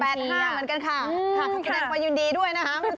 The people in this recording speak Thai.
๑๕เหมือนกันค่ะขอบคุณแดกว่ายืนดีด้วยนะคะ